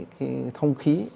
cái thông khí